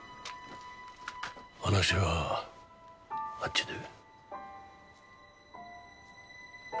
話はあっちで。